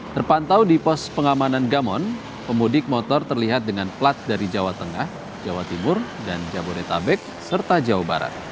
terpantau di pos pengamanan gamon pemudik motor terlihat dengan plat dari jawa tengah jawa timur dan jabodetabek serta jawa barat